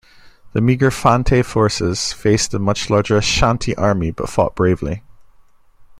The meagre Fante forces had faced a much larger Ashanti army, but fought bravely.